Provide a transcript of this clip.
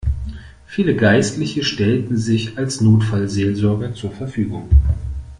Viele Geistliche stellten sich als Notfallseelsorger zur Verfügung.